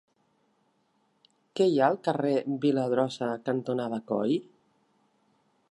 Què hi ha al carrer Viladrosa cantonada Coll?